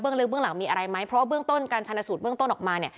เบื้องลืมเบื้องหลังมีอะไรไหมเพราะเบื้องต้นการชันสูตรเบื้องต้นออกมา